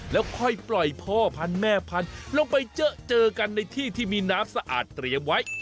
แล้วค่อยปล่อยพ่อพันธุ์แม่พันธุ์ลงไปเจอเจอกันในที่ที่มีน้ำสะอาดเตรียมไว้